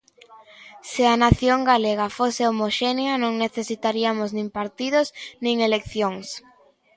Se a nación galega fose homoxénea non necesitariamos nin partidos nin eleccións.